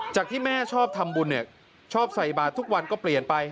ที่แม่ชอบทำบุญเนี่ยชอบใส่บาททุกวันก็เปลี่ยนไป